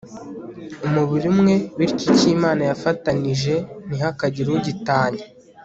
umubiri umwe, bityo icyo imana yafatanije ntihakagire ugitanya